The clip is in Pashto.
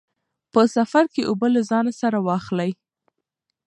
په سفر کې اوبه له ځان سره واخلئ.